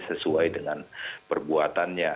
sesuai dengan perbuatannya